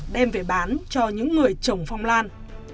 đem về bán cho những người trồng phong lan